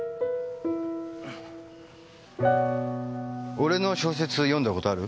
俺の小説読んだ事ある？